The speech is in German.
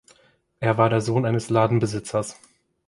Er war der Sohn eines Ladenbesitzers.